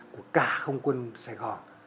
của cả không quân sài gòn